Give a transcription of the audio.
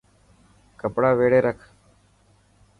ڪپڙا ويڙي رک.